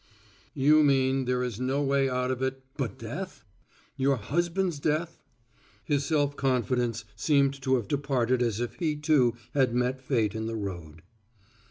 "You mean there is no way out of it but death? your husband's death?" His self confidence seemed to have departed as if he, too, had met fate in the road.